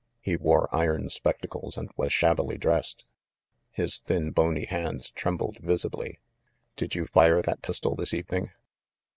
He wore iron spectacles and was shabbily dressed. His thin bony hands trembled visibly. "Did you fire that pistol this evening?"